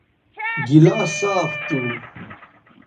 گلاس صاف تھو